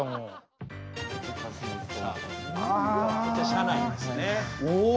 車内ですね。